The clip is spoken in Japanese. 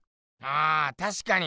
あたしかに！